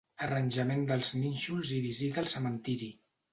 Arranjament dels nínxols i visita al cementiri.